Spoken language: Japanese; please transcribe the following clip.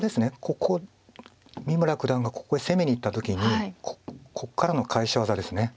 ここ三村九段がここへ攻めにいった時にここからの返し技です。